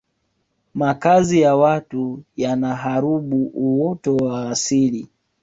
makazi ya watu yanaharubu uoto wa asili